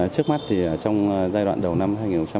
trước mắt thì trong giai đoạn đầu năm hai nghìn một mươi chín